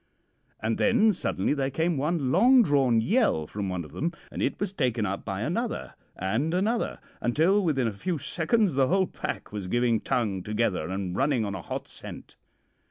"And then suddenly there came one long drawn yell from one of them, and it was taken up by another, and another, until within a few seconds the whole pack was giving tongue together and running on a hot scent.